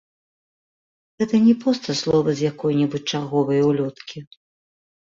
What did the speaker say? Гэта не проста словы з якой-небудзь чарговай улёткі.